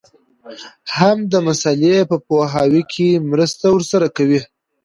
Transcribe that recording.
هم د مسألې په پوهاوي کي مرسته درسره کوي.